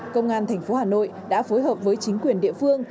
công an thành phố hà nội đã phối hợp với chính quyền địa phương